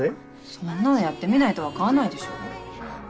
そんなのやってみないと分かんないでしょ？